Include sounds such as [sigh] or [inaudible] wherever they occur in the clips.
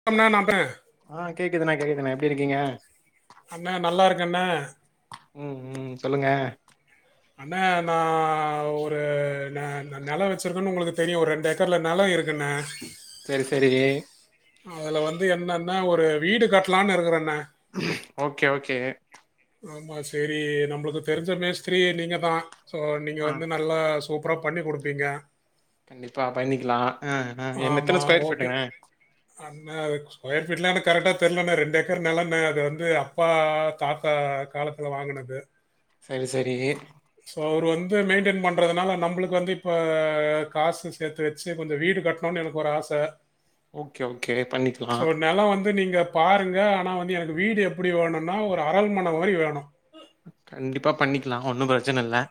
[unintelligible] ஆ கேக்குதுன கேக்குதுன எப்டி இருக்கீங்க அண்ணா நல்லா இருக்கு அண்ணா ம் ம் சொல்லுங்க அண்ணே நா ஒரு நெ நெலோ வச்சிருக்கன்னு உங்களுக்கு தெரியு ஒரு ரெண்டு ஏக் க்கர்ல நெலோ இருக்குண்ணே செரி செரி அதுல வந்து என்னன்ன ஒரு வீடு கட்லான்னு இருக்கருன்னே ஓகே ஓகே ஆமா சேரி நம்மளுக்கு தெரிஞ்ச மேஸ்திரி நீங்க தா சோ நீங்க ஆ வந்து ந நல்லா சூப்பரா பண்ணி குடுப்பீங்க கண்டிப்பா பண்ணிக்கலா ஹ ஹெ என்ன எத்தன ஸ்கொயர் பிட்டுங்க அண்ணே ஸ்கொயர் ஃபீட்ல கரெக்டா தெர்லண்ண ரெண்டு ஏக்கர் நிலண்ணே அது வந்து அப்பா தாதா பா காலத்துல வாங்குனது சேரி சேரி சோ அவரு வந்து மெயின்டெய்ன் பண்றதுனால நம்மளுக்கு வந்து இப்ப காசு சே வச்சு கொஞ்சோ வீடு கட்டணுன்னு எனக்கு ஒரு ஆச ஓகே ஓகே பண்ணிக்கலா சோ நெலோ வந்து நீங்க பாருங்க ஆனா வந்து எனக்கு வீடு எப்டி வேணுனா ஒரு அரண்மன மாரி வேணு கண்டிப்பா பண்ணிக்கலா ஒன்னு பிரச்சன இல்ல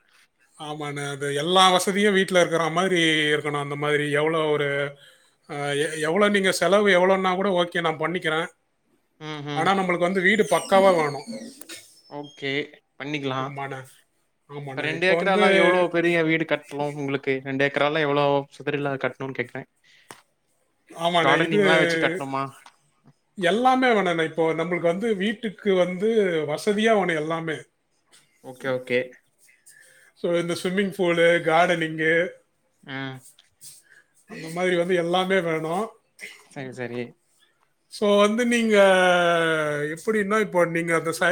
ஆமான அது எல்லா வசதியு வீட்ல இருக்கற மாரி இருக்கணு அந்த மாரி எவ்ளோ ஒரு ஆ எ எவ்ளோ நீங்க செலவு எவ்ளோன்னா கூட ஓகே நா பண்ணிக்கிறே ம் ம் ஆனா நம்மளுக்கு வந்து வீடு பக்காவா வாணு ஓகே பண்ணிக்கலா இப்ப ஆமாண்ணே ரெண்டு இப்போ வந்து ஏக்கராலா எவ்ளோ பெரிய வீடு கட்லு உங்களுக்கு ரெண்டு ஏக்கரால எவ்ளோ சதுரடில கட்ணுன் கேக்றே ஆமாணெ இது எல்லாமே வேணுன இப்போ நம்மளுக்கு வந்து வீட்டுக்கு வந்து வசதியா வேணு எல்லாமே ஓகே ஓகே ஸோ இந்த ஸ்விம்மிங் ஃபூலு காடனிங்கு ம் இந்த மாரி வந்து எல்லாமே வேணு சரி சரி ஸோ வந்து நீங்க எப்படின்னா இப்ப நீங்க அந்த ச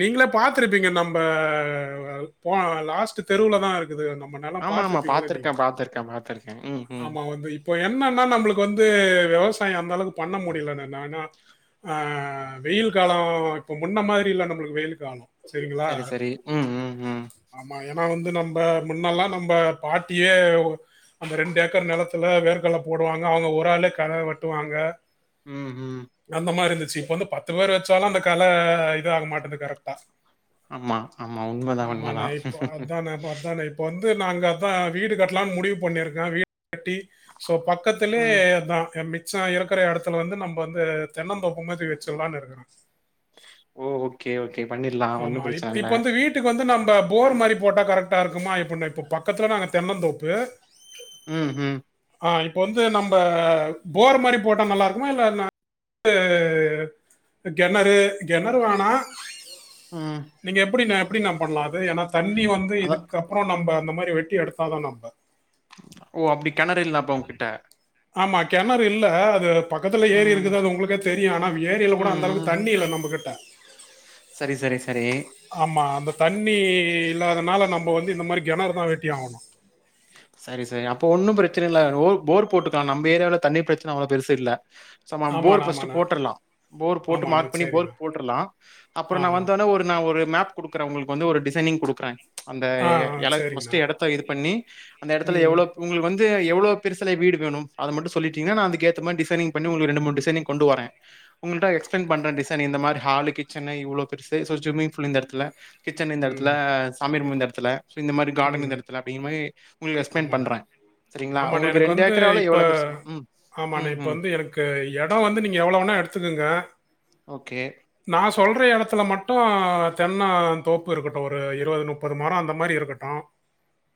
நீங்களே பாத்திருப்பிங்க நம்ப பொ லாஸ்ட் தெருவுலதா இருக் குது நம்ம நெல ஆமா ஆமா பாத்திருப்பிங்கல்ல நீங்க பாத்துருக்கே பாத்துருக்கே பாத்துருக்கே ம் ம் ஆமா வந்து இப் இப்ப என்னன்னா நம்மளுக்கு வந்து விவசாய அந்த அளவுக்கு பண்ண முடில என்னானா ஆ வெயில் கால இப்ப முன்ன மாரி இல்ல நம்மளுக்கு வெயில் கால செரிங்களா சரி சரி ம் ம் ம் ஆமா ஏன்னா வந்து நம்ம முன்னெலா நம்ம பாட்டியே அந்த ரெண்டு ஏக்கர் நெலத்தில வேர்கடல போடுவாங்க அவுங்க ஒரு ஆளே கள வெட்டுவாங்க ம் ம் அந்த மாரி இருந்துச்சு இப்ப வந்து பத்து பேர் வெச்சாலு அந்த கள இதாக மாட்டுது கரெக்டா ஆமா ஆமா உண்மதா ஆமாண உண்மதா இப்ப அதான இப்ப அதான இப்ப வந்து நாங்க அதா வீடு கட்டலான் முடிவு பண்ணிருக்கோ வீடு கட்டி சோ பக்கத்திலயே ம் அதா மிச்ச இருக்க ற எடத்துல வந்து நம்ம வந்து தென்னந்தோப்பு மாதி வெச்சிடலானு இருக்கற ஓ ஓகே ஓகே பண்ணிர்லா ஒன்னு பிரச்சன இல்ல க்கு வந்து நம்ப போர் மாரி போட்டா கரெக்டா இருக்குமா இப்ப ந பக்கத்துல நாங்க தென்னந்தோப்பு ம் ம் ஆ இப்போ வந்து நம்ப போர் மாரி போட்டா நல்லாருக்குமா இல்ல ந து கெணறு கெணறு வேணா ம் நீங்க எப்படி ந எப்படி நா பண்லா அது ஏன்னா தண்ணி வந்து அதா இதுக்கப்பற நம்ப அந்த மாரி வெட்டி எடுத்தாதா நம்ப ஓ அப்டி கெணறில்ல அப்ப உங்க்கிட்ட ஆமா கெணறு இல்ல அது பக்கத்துல ஏரி ம் இருக்குது அது உங்களுக்கே தெரியு ஆனா அந்த ஏரில கூட ம் அந்தளவுக்கு ம் தண்ணி இல்ல நம்பு கிட்ட சரி சரி சரி ஆமா அந்த தண்ணி இல்லாதனால நம்ம வந்து இந்த மாரி கெணறுதா வெட்டி ஆகணு சரி சரி அப்ப ஒன்னு பிரச்சன இல்ல போ போர் போட்டுதா நம்ப ஏரியால தண்ணி பிரச்சன அவ்ளோ பெருசு இல்ல சம போர் ஆமாண்ணா ஃபஸ்ட்டு ஆமாண்ணா போட்டர்லா போர் போட்டு ஆமாண்ணா மார்க் பண்ணி போர் சரிண்ணா போட்ரலா அப்புற ஆ நா வந்தொன ஒரு நா ஒரு மேப் குடுக்குற உங்களுக்கு வந்து ஒரு டிசைனிங் குடுக்குறே அந்த ஆ எ ஆ, எட சரிங்கண்ணா மஸ்ட்டு எடத்த இது பண்ணி அந்த எடத்துல எவ்ளோ ம் உங்கஞ வந்து எவ்ளோ பெருசுல வீடு வேணு அத மட்டு சொல்லிட்டீங்கன்னா நா அதுக்கு ஏத்ந மாரி டிசைிங் பண்ணி உங்களுக்கு ரெண்டு மூணு டிசைனிங் கொண்டு வரே உங்கள்கிட்ட எக்ஸ்பளைன் பண்ற டிசைனு இந்த மாரி ஹாலு கிச்சசு இவ்ளோ பெருசு சோ ஸ்விமிங் பூல் இந்த எடத்துல கிச்சன் இந்த இடத்துல ம் சாமி ரூம் இந்த இடத்துல இந்த மாரி கார்டன் இந்த இடத்துல அப்டிங்க மாரி உங்களுக்கு எக்ஸ்பிளைன் ஆமாண்ன பண்றேன். சரிங்களா? ஆமாண்ன உங்களுக்கு எனக்கு வந்து ஏக்கராவுல இப்ப எவ்வளோ பெருசு வேணும்? ம். ஆமாண்ன ம், இப்ப ம். வந்து எனக்கு எடோ வந்து நீங்க எவ்ள வேனா எடுத்துக்கங்க ஓகே நா சொல்ற எடத்துல மட்டு தென்னந் தோப்பு இருக்கட்டு ஒரு இருவது நுப்பது மரோ அந்த மாரி இருக்கட்டு ஆ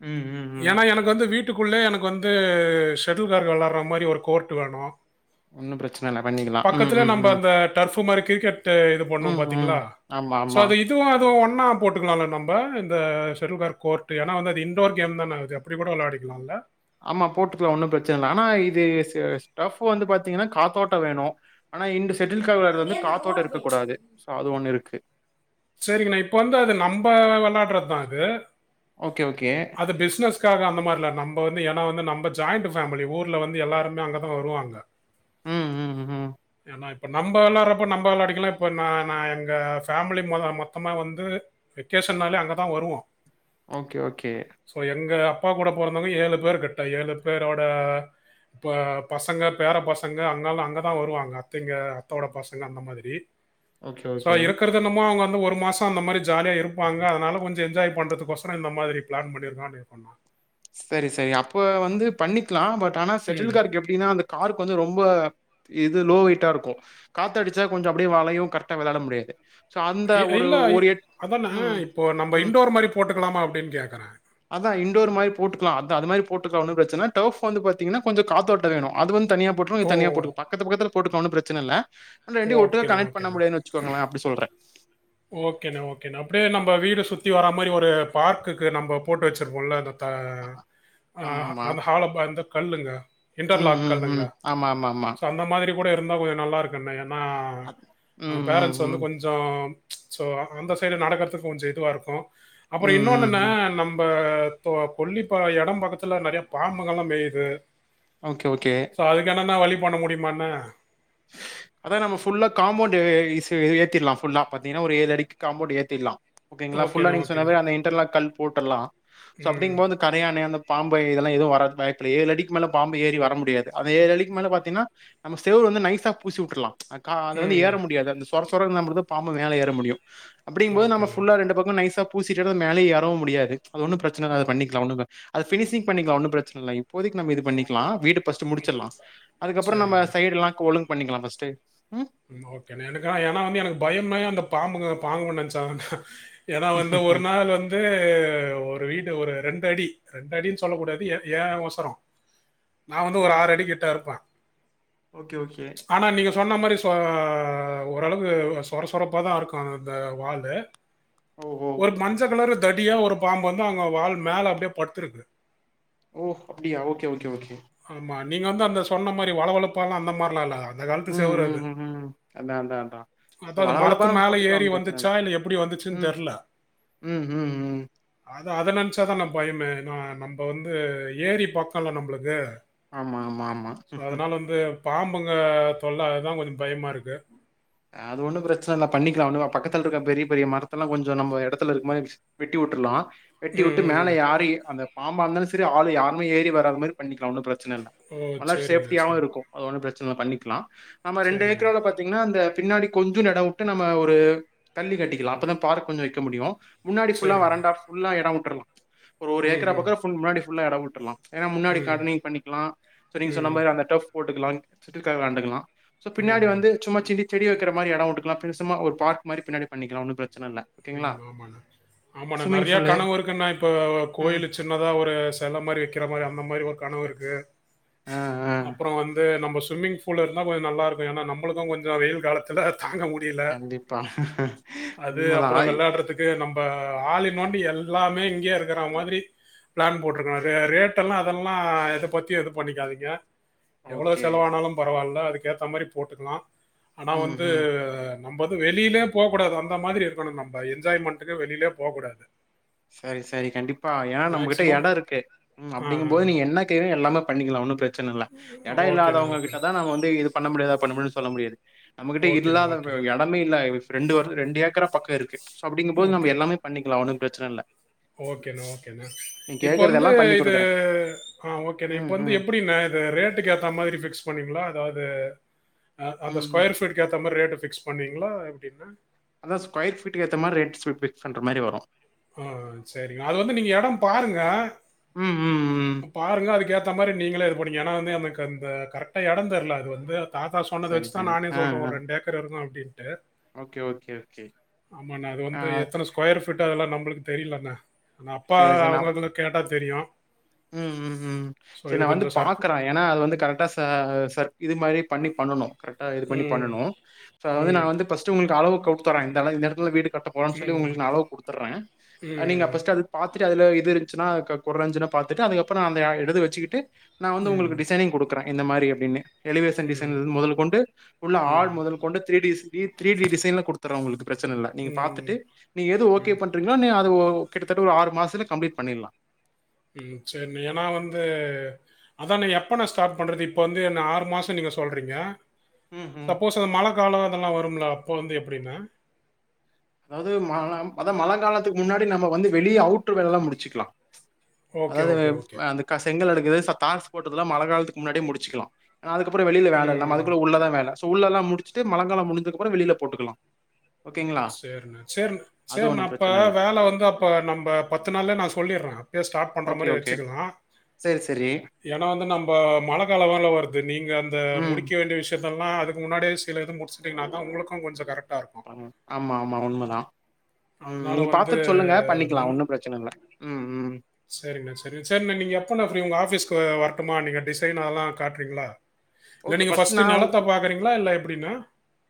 ம், ம், ம். ஏன்னா எனக்கு வந்து வீட் வீட்டுக்குள்ளே எனக்கு வந்து செடில்கார்ட் வெளாட்ற மாரி ஒரு கோர்ட் வேணு ஒன்னு பிரச்சன இல்ல பண்ணிக்கலா டரப்ஃபு மாரி கிரிக்கெட்டு இது பண்ணுவோ ம். பாத்தீங்களா ஆமா, சோ ஆமா. அது இதுவு அதுவு ஒன்னா போட்டுக்கலால நம்ம இந்த செட்டுல்கார் கோர்ட் ஏன்னா வந்து அது இண்டோர் கேம் தான அது அப்டி கூட வெளாடிக்கலால ஆமா போட்டுக்கலா ஒன்னு பிரச்சன இல்ல ஆனா இது ஸ்டப் வந்து பாத்தீங்கன்னா காத்தோட்டோ வேணு ஆனா இந்த செட்டில்கா் வெளாட்றது வந்து காத்தோட்ட இருக்கக்க கூடாது சோ அது ஒண்ணு இருக்கு சேரிங்கண்ணா இப்ப வந்து அது நம்ம வெளாட்றதுதா அது ஓகே ஓகே அது பிசினஸ்க்காக அந்த மாரில்ல நம்ம வந்து ஏன்னா வந்து நம்ம ஜாயிண்ட் ஃபேமிலி ஊர்ல வந்து எல்லாருமே அங்கேதா வருவாங்க ம் ம் ம் இப்ப நம்ம வெளாட்றப்ப நம்ம வெளாடிக்கலா இப்ப நா எங்க ஃபேமிலி மொத்தமா வந்து வெக்கேஷன்னாலே அங்கதா வருவோ ஓகே ஓகே சோ எங்க அப்பா கூட போறந்தவங்க ஏழு பேர் கிட்ட ஏழு பேரோட இப்ப பசங்க பேர பசங்க அங்காலு அங்கதா வருவாங்க அத்தைங்க அத்தோட பசங்க அந்த மாதிரி ஓகே, ஓகே. சோ இருக்கறத நம் ங்க வந்து ஒரு மாசோ அந்த மாரி ஜாலியா இருப்பாங்க அதனால கொஞ்சோ என்ஜாய் பண்றதுக்கோசரோ இந்த மாரி பிளான் பண்ணி இருக்கோ அப்டியே பண்லா செரி செரி அப்ப வந்து பண்ணிக்கலா பட் ஆனா ம். செட்டில்காரருக்கு எப்டின்னா அந்த கார்க்கு வந்து ரொம்ப இது லோ வெயிட்டா இருக்கு காத்த அடிச்சா கொஞ்சோ அப்டியே வழையு கரெக்டா வெளாட முடியாது ஸோ அந்த ஒரு இல்ல ஒரு எட் அதா அண்ண ம். இப்போ நம்ம இன்டோர் மாரி போட்டுக்கலாமா அப்டின்னு கேட்குறே அதா இண்டோர் மாரி போட்டுக்கலா அதா அது மாரி போட்டுக்கலா ஒன்னு பிரச்சன இல்ல டேர்ஃப் வந்து பாத்தீங்கன்ன கொஞ்சோ காத்தோட்டோ வேனு இது வந்து தனியா தனியா ஓ! இது தனியா போட்டுவோ பக்கத்து பக்கத்தில போட்டுக்கலா ஒன்னு பிரச்சன இல்ல ஆனா ரெண்டையு ஒன்னா ஓகேண்ணா, கனெக்ட் பண்ண முடியாது வெ வெச்சுக்கோங்களே அப்டி சொல்றே ஓகேண்ணே ஓகேண்ணா அப்டியே நம்ம வீடு சுத்தி வர மாரி ஒரு பார்க்குக்கு நம்ம போட்டு வெச்சிருக்கோல்ல அ த ஆமாமா. அந்த ஹால அந்த கல்லுங்க ம், இன்டர்லாக் ம், கல்லுங்க ம். ஆமாமாமா. சோ அந்த மாரி கூட இருந்தா கொஞ்சோ நல்லா இருக் குங்கண்ண ஏன்னா அத் நம்ம ம், ம், பேரண்ட்ஸ் வந்து ம். கொஞ்சோ சோ அந்த சைடு நடக்கறதுக்கு கொஞ்ச இதுவா இருக்கு ம், அப்றோ இன்னோன்னுண்ண ம், ம். நம் இப்ப கொல்லிப்ப எடம் பக்கத்துல நெறைய பாம்புங்கல்லா மேயுது ஓகே ஓகே சோ அதுக்கு என்னன்னா வழி பண்ண முடியுமாண்ணே அதா நம்ம ஃபுல்லா காம்பௌண்ட் ஏத்திறலா ஃபுல்லா பாத்தீங்கன்னா ஒரு ஏழு அடிக்கு காம்பௌண்ட் ஏத்திறலா ஓகேங்களா ஓகேண்ணா, ஃபுல்லா நீங்க சொன்ன ஓகேண்ணா. மாரி அந்த இன்டர்லாக் கல் போட்டர்லா சோ ம். அப்டிங்க போது கரையானு அந்த பாம்பு இதெல்லா எதுவு வராது பயத்துல ஏழு அடிக்கு மேல பாம்பு ஏறி வர முடியாது அந்த ஏழு அடிக்கு மேல பாத்தீன்னா நம்ம செவுரு வந்து நைஸ் சா பூசி வுட்டுரலா கா அது வந்து ம். ஏற முடியாது அந்த சொர சொரனா மட்டும் தா பாம்பு மேல ஏற முடியு அப்டிங்கபோது நம்ம ஓகேண்ணா. ஃபுல்லா ரெண்டு பக்கோ நைசா பூசிட்டோனா அது மேலயு ஏறவு முடியாது அது ஒன்னு பிரச்சன இல்ல ஓ அது பண்ணிக்கலா ஒன்னு அது பினிஷிங் பண்ணிக்கலா ஒன்னு பிரெச்சன இல்ல இப்போதைக்கு நம்ப இது பண்ணிக்கலா வீடு பர்ஸ்ட் முடிச்சிரலா அதுக்கப்புறம் நம்ம சரிங்கண்ணா. சைடு எல்லா ஒழுங்கு பண்ணிக்கலா பர்ஸ்ட் ம் ஓகே னே எனக்கா ஏன்னா வந்து எனக்கு பயம்மே அந்த பாம்புங்க பாங்குன்னு நெனச்சா தான்ண ஏன்னா வந்து ஒரு நாள் வந் து ஒரு வீடு ஒரு ரெண்டு அடி ரெண்டு அடினு சொல்லக் கூடாது ஏ ஏ ஒசரோ நா வந்து ஒரு ஆறு அடி கிட்ட இருப்பே ஓகே ஓகே ஆனா நீங்க சொன்ன மாரி இப்ப ஓரளவு சொரசரப்பா தா இருக்கு அந்த வாலு ஓஹோ ஒரு மஞ்ச கலரு தடியா ஒரு பாம்பு வந்து அங்க வால் மேல அப்டியே படுத்திருக்கு ஓ அப்டியா ஓகே ஓகே ஓகே ஆமா நீங்க வந்து அந்த சொன்ன மாதரி வழவழப்பா லா அந்த மாரி லா இல்ல அந்த காலத்து ம் செவுறு ம் அது ம் ம் அதா அதா அதா சோ அதா அது வழவழப்பா மரத்து நம்ம மேல போட்டுக்கலா ஏறி ஒன்னு பிரச்சன வந்துச்சா இல்ல எப்டி வந்துச்சுன்னு ம் தெர்ல ம் ஹும் ம் அது அத நெனச்சா தானா பயமே நா நம்ப வந்து ஏரி பக்கல்ல நம்பளுக்கு ஆமா ஆமா ஆமா சோ அதனால வந்து பாம்புங்க தொல்ல அதுதா கொஞ்சோ பயமா இருக்கு ஆ அது ஒன்னு பிரச்சன இல்ல பண்ணிக்கலா ஒன்னு பக்கத்துல இருக்க பெரிய பெரிய மரத்தெல்லா கொஞ்சோ நம்ப எடத்துல இருக்க மாரி வெட்டி வுட்டுரலா வெட்டி ம், வுட்டு ம், மேலே ம். யாரையு அந்த பாம்பா இருந்தாலு சரி ஆள் யாருமே ஏறி வராத மாரி பண்ணிக்கலா ஒன்னும் பிரச்சன இல்ல ஓ! நல்லா சரிங்கண்ணா, சேஃப்டியாவு சரிங்க. இருக்கு அது ஒண்ணு பிரச்சன இல்ல பண்ணிக்கலா ஆமா ரெண்டு சரிங்கண்ணா, ஏக்ராவுல பாத்தீங்கன்னா அந்த பின்னாடி கொஞ்ச நடவுட்டு நம்ப ஒரு தள்ளி கட்டிக்கலா அப்பதா பார்க் கொஞ்சோ வெக்க முடியு முன்னாடி ஃபுல்லா சரிங்கண்ணா. வராண்டா புல்லா எட வுட்ரலா ஒரு ஒரு ம், ஏக்கரா ம். பாக்க ஃபுல் முன்னாடி புல்லா எடோ உட்டரலா ஏன்னா முன்னாடி ம். கார்டனிங் பண்ணிக்கலாம் சோ ம். நீங்க சொன்ன ம். மாரி அந்த டஃப் போட்டுக்கலா செட்டில்கிளாக் வெளயாண்டுக்கலா சோ பின்னாடி ம். வந்து சும்மா செடி செடி வெக்கிற மாரி எடோ உட்டுகலா பின்னாடி சும்மா ஒரு பார்க் மா பின்னடி பண்ணிக்கலா ஒன்னு பிரச்சன இல்ல ம் ஆமாண்ணே ஆமாண்ணே நறையா ஃபுல்லு கனவு இருக்குண்ணே இப்ப ம் கோயிலுச்ச சின்னதா ஒரு செல மாரி வெக்கிற மாரி அந்த மாரி ஒரு கனவு இருக்கு ஆ ஆ அப்புற வந்து நம்ம சுவிமிங் பூல் இருந்த கொஞ்சோ நல்லா இருக்கு ஏன்னா நம்பளுக்கு கொஞ்சோ வெயில் காலத்துல தாங்க முடி கண்டிப்பா உண்மதா ஆயி வரத்துக்கு நம்ப ஆல் இன் ஒன் எல்லாமே இங்கே இருக்கற மாதிரி பிளான் போட்டுருக்கோ ரேட் எல்லா அதெல்லா எத பத்தியு இது பண்ணிக்காதீங்க எவளோ ஓகே செலவானாலு பரவாயில்ல அதுக்கேத்த மாரி போட்டுக்கலா ஆனா ம் வந்து ம் நம்ப வந்து வெளிலே போ கூடாது அந்த மாதிரி இருக்கணு நம்ப என்ஜாய்மெண்ட்க்கு வெளிலே போ கூடாது சரி சரி கண்டிப்பா ஏன்னா நம்பகிட்ட எட இருக்கு ம் ஆ அப்டிங்கும் ஆ. போது நீங்க என்ன கேளுங்க எல்லாமே பண்ணிக்கலா ஒன்னு பிரச்சன இல்ல எடோ ஓகேண்ணா ஓகேண்ணா இல்லாதவங்கிட்டதா நம்ம வந்து இது பண்ண முடியாதா பண்ண முடியாதா சொல்ல முடியாது நம்மகிட்ட ஓகேண்ணா ஓகேண்ணா இல்லாதவங்க கம்மி இல்ல என் பிரெண்டு வோடுது ரெண்டு ஏக்கரா பக்க இருக்கு சோ அப்டிங்கும் போது நம்ப எல்லாமே பண்ணிக்கலா ஒன்னு பிரச்சன இல்ல ஓகே னே ஓகே னே நீ இப்ப வந்து கேக்குறதெல்லாம் பண்ணி இது குடுக்குறேன். ஆ ஓகே னே இப்ப ம். வந்து ம். எப்டி னே இது ரேட் ட்க்கு ஏத்த மாரி பிக்ஸ் பண்ணீவிங்களா அதாவது அந்த அ ம். ம். ஸ்கொயர் ஃபீட் க்கேத்த மாரி ரேட்டு ஃபிக்ஸ் பண்ணுவீங்களா எப்டிண்ணே அதா ஸ்கொயர் ஃபீட்டுக்கு ஏத்த மாரி ரேட் ஸ் ஃபி ஃபிக்ஸ் பண்ற மாரி வரு ஆ சேரிங்க அது வந்து நீங்க எடோ பாருங்க ம். ம். ம். பாருங்க அதுக்கு ஏத்தா மாரி நீங்களே இது பண்ணிக்கங்க ஏன்னா வந்து எனக்கு அந்த கரெக்டா எடந் தெர்ல அது வந்து தாத்தா சொன்னத சரி, வச்சுதா சரி. நானே ஆ, சொல்றே ஆ. ஒரு ரெண்டு ஏக்கர் இருக்கு அப்டின்ட்டு ஓகே, ஓகே, ஓகே. ஆமாண்ணா அது ஆ வந்து எத்தன ஸ் கொயர் ஃபீட்டு அதெல்லா நம்பளுக்கு தெரியலண்ணே எங்க அப்பா சரி, சரி. நான் அவுங்க இதுல கேட்டா தெரியு ம் ம் ம் செரி நா வந்து சர்ப் பாக்குறே ஏன்னா அது வந்து கரெக்டா ச சர் இது மாரி பண்ணி பண்ணணு கரெக்டா இது பண்ணி ம். பண்ணணு ஸோ அதாவது நா ம். வந்து ஃபஸ்ட்டு உங்களுக்கு அளவு குடுத்தர்றே இந்த அள இந்த எடத்துல வீடு கட்ட போலான் சொல்லி ம். உங்களுக்கு நா அளவு குடுத்தர்றே ஆ நீங்க ம். ஃபஸ்ட்டு அது பாத்துட்டு அதுல இது இருந்துச்னா க குற இஞ்சினா பாத்துட்டு அதுக்கப்புறோ அந்த இடது வச்சுக்கிட்டு நா வந்து உங்குளுக்கு ம். டிசைனிங் குடுக்குறே இந்த மாரி அப்டின்னு எலிவேஷன் டிசைனிங்ல ம். இருந்து முதல் கொண்டு உள்ள ஆல் ம். முதல் கொண்டு three Ds D three D டிசைன்ல குடுத் தர்ற உங்களுக்கு பிரச்சன இல்ல நீங்க ம். பாத்துட்டு நீங்க எது ஓகே ம். பண் றீங்களோ நீ அது ஓ கிட்டத்தட்ட ஒரு ஆறு மாசத்துல கம்ப்ளீட் பண்ணிர்லா ம் சேரிண்ணே ஏன்னா வந்து அதாண்ணா எப்பண்ணா ஸ்டார்ட் பண்றது இப்ப வந்து இன்ன ஆறு மாசோ நீங்க சொல்றீங்க ம், ம். சப்போஸ் அந்த மழ காலோ அதெல்லா வரும்ல அப்போ வந்து எப்டிண்ணே அதாவது மழ அதா மழங்காலத்துக்கு முன்னாடி நம்ம வந்து வெளிய அவுட்ரு வேல எல்லா முடிச்சுக்கலா ஓகே, அதாவது ஓகே, ஓகே. அ அந்த க செங்கல் அடுக்கறது ச தார்ஸ் போட்றதல்லா மழ காலத்துக்கு முன்னாடியே முடிச்சுக்கலா அதுக்கப்புற வெளில வேல இல்ல நம்ம ம். அதுக்குள்ள உள்ளதா வேல சோ உள்ளெல்லா முடிச்சிட்டு மழங்கால முடிந்ததுக்கு அப்புறோ வெளில போட்டுக்கலா ஓகேங்களா சேரிண்ணே சேரிண் அது சேரிண்ணே ஒன்றும் அப்ப பிரச்சனை இல்லை வேல வந்து அப்ப நம்ப பத்து நாள்ல நா சொல்லிறே அப்பயே ஸ்டார்ட் பண்ற ஓகே மாரி ஓகே வச்சுக்கலா சரி சரி ஏன்னா வந்து நம்ப மழ காலோ வேற வருது நீங்க அந்த ம் முடிக்க வேண்டிய விஷ் யத்தெல்லா அதுக்கு முன்னாடியே சில இது முடிச்சிட்டீங்னாத்தா உங்குளுக்கு கொஞ்ச கரக்டா இருக்கு ம் ஆமா ஆமா உண்மதா ம் அதனால நீங்க வந்து பாத்துட் சொல்லுங்க பண்ணிக்கலா ஒன்னு பிரச்சன இல்ல ம் ம் சேரிங்ணே செரி சேரிண்ணே நீங்க எப்பண்ணா ஃப்ரீ உங்க ஆஃபீஸ்க்கு வரட்டுமா நீங்க டிசைன் அதெல்லா காட்றீங்களா இல்ல ஓகே நீங்க ஃபர்ஸ்ட் ஃபஸ்ட்டு நெலத்த பாக்குறீங்களா இல்ல எப்பிடிண்ணா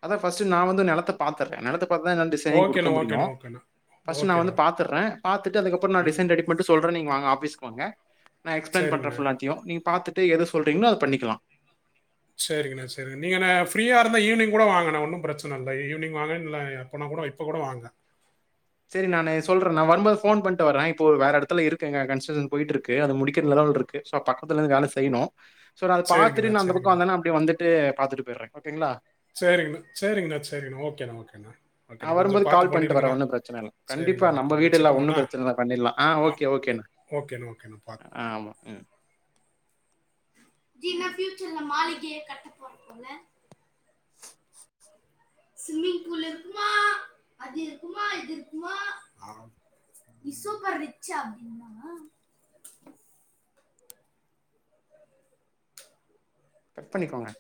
அதா ஃபஸ்ட்டு நா வந்து நெலத்த பாத்தர்றே நெலத்த அப்பதா என்னால டிசைனிங் குடுக்க ஓகேண்ணா முடியு ஓகேண்ணா ஓகேண்ணா ஃபஸ்ட்டு நா வந்து ஓகேண்ணா பாத்தர்றே பாத்துட்டு அதுக்கப்புறோ நா டிசைன் ரெடி பண்ட்டு சொல்றே நீங்க வாங்க ஆஃபிஸ்க்கு வாங்க நா எக்ஸ்பிளைன் பண்றே சரிங்கண்ணா ஃபுல்லாத்தியு நீங்க பாத்துட் டு எது சொல்றீங்களோ அத பண்ணிக்கலா சேரிங்கண்ணே சேரிங் நீங்கண்ணே ஃப்ரீயா இருந்தா ஈவினிங் கூட வாங்கண்ணே ஒன்னு பிரச்சன இல்ல ஈ ஈவினிங் வாங்க இல்ல இப்பனா கூட இப்ப கூட வாங்க செரி நானு சொல்றே நா வரும்போது ஃபோன் பண்ட்டு வரே இப்ப ஒரு வேற எடத்துல இருக்கேங்க கன்ஸ்ட்ரக்ஷன் போயிட்ருக்கு அது முடிக்கிற லெவல் இருக் கு சோ பக்கத்தில இருந்து வேல செய்ணு சோ நா அத பாத்துட்டு சரிங்கண்ணா நா அந்த பக்கோ சரிங்கண்ணா வந்தன்னா அ ப்டியே வந்துட்டு பாத்துட்டு போயிர்றே ஓகேங்களா சேரிங்ண்ணா சேரிங்ண்ணா சேரிங்ண்ணா ஓகேண்ணா ஓகேண்ணா ஓகேண்ணா கொஞ்ச பாத்து பண்ணிடுங்கண்ணா பிரச்சன இல்ல கண்டிப்பா சரிங்கண்ணா நம்ப ஓகேண்ணா வீடுல்ல ஒன்னு வச்சுட்டுமாண்ணா பிரச்சன இல்ல பண்ணிர்லா ஆ ஓகே ஓகேண்ணே ஓகேண்ணா ஓகேண்ணா பா ஆமா ம் ஜி என்ன ஃபியூச்சர்ல மாளிகையே கட்ட போற போல ஸ்விம்மிங் பூல் இருக்குமா அது இருக்குமா இது இருக்குமா இதுசூப்பர் ரிச்சா கட் பண்ணிக்கோங்க